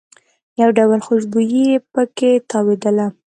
یو ډول خوشبويي په کې تاوېدله.